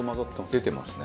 出てますね。